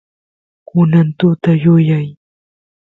kunan tuta yuyay